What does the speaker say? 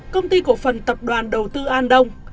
công ty cổ phần tập đoàn đầu tư an đông